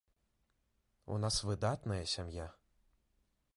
У нас выдатная сям'я.